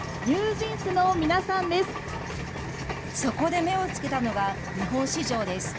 ここで目を付けたのが、日本市場です。